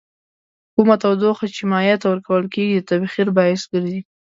کومه تودوخه چې مایع ته ورکول کیږي د تبخیر باعث ګرځي.